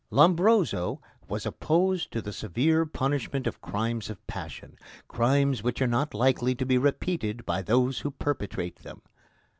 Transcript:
Lombroso was opposed to the severe punishment of crimes of passion crimes which are not likely to be repeated by those who perpetrate them.